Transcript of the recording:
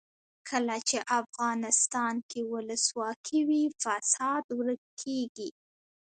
کله چې افغانستان کې ولسواکي وي فساد ورک کیږي.